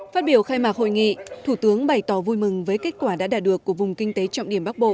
phát biểu khai mạc hội nghị thủ tướng bày tỏ vui mừng với kết quả đã đạt được của vùng kinh tế trọng điểm bắc bộ